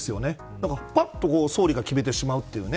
だからぱっと総理が決めてしまうというね。